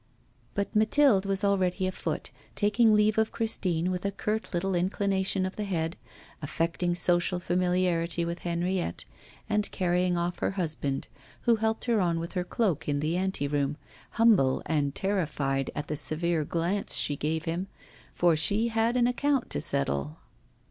But Mathilde was already afoot, taking leave of Christine with a curt little inclination of the head, affecting social familiarity with Henriette, and carrying off her husband, who helped her on with her cloak in the ante room, humble and terrified at the severe glance she gave him, for she had an account to settle.